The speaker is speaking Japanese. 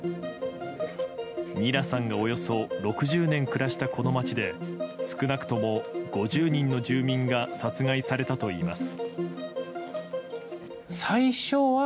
ニラさんがおよそ６０年暮らした、この町で少なくとも５０人の住民が殺害されたといいます。